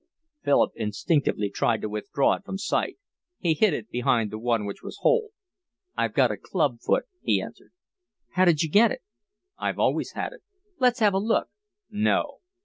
Philip instinctively tried to withdraw it from sight. He hid it behind the one which was whole. "I've got a club foot," he answered. "How did you get it?" "I've always had it." "Let's have a look." "No."